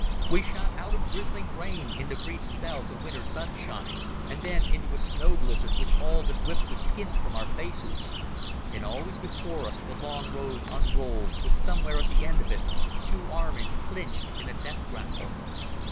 We shot out of drizzling rain into brief spells of winter sunshine, and then into a snow blizzard which all but whipped the skin from our faces. And always before us the long road unrolled, with somewhere at the end of it two armies clinched in a death grapple.